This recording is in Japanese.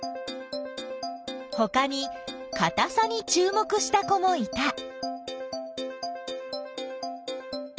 ほかにかたさにちゅう目した子もいた。